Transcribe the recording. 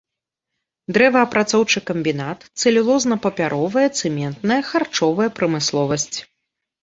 Дрэваапрацоўчы камбінат, цэлюлозна-папяровая, цэментная, харчовая прамысловасць.